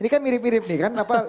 ini kan mirip mirip nih kan